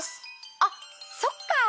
あっそっか！